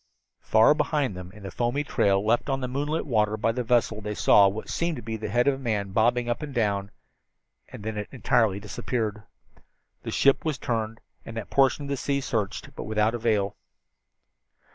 Far behind them in the foamy trail left on the moonlit water by the vessel they saw what seemed to be the head of a man bobbing up and down and then it entirely disappeared. The ship was turned, and that portion of the sea searched, but without avail.